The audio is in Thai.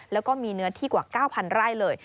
แล้วก็มีเนื้อที่กว่า๙๐๐ไร่เลย